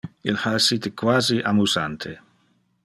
Il ha essite quasi amusante.